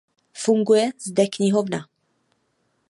Funguje zde knihovna.